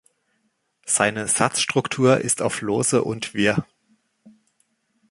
Seine Satzstruktur ist oft lose und wirr.